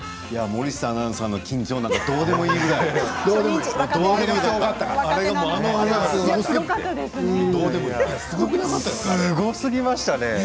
森下アナウンサーの緊張なんかどうでもいいくらいすごすぎましたね